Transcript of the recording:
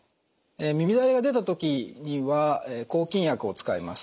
耳だれが出た時には抗菌薬を使います。